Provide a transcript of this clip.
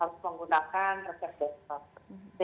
harus menggunakan resep dokter